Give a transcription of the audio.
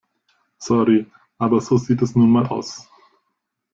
Sorry, aber so sieht es nun mal aus.